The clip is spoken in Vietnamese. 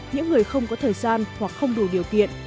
những người không có thời gian hoặc không đủ điều kiện